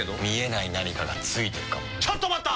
見えない何かがついてるかも。